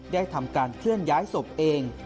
ได้ทำการเคลื่อนย้ายศพเอง